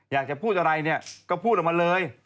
อยากจะพูดอะไรเนี่ยก็พูดออกมาเลย